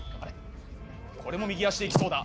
これも右足でいきそうだ。